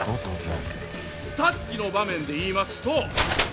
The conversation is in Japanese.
さっきの場面でいいますと